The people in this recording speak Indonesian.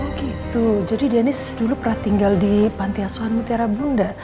oh gitu jadi deniz dulu pernah tinggal di panti asuhan mutiara bunda